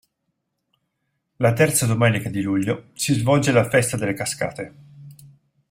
La terza domenica di luglio si svolge la festa delle cascate.